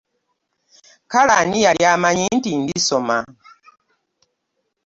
Kale ani yali amanyi nti ndisoma!